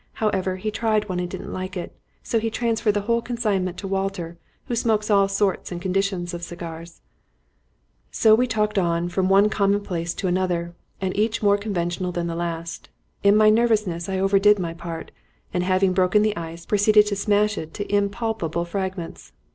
However, he tried one and didn't like it, so he transferred the whole consignment to Walter, who smokes all sorts and conditions of cigars." So we talked on from one commonplace to another, and each more conventional than the last. In my nervousness, I overdid my part, and having broken the ice, proceeded to smash it to impalpable fragments.